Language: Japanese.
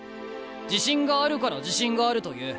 自信があるから自信があると言う。